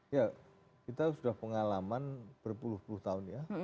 ya kita sudah pengalaman berpuluh puluh tahun ya